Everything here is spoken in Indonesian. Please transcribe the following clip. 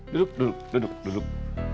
duduk duduk duduk